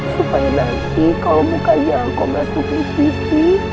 supaya nanti kalau bukanya aku masukin tv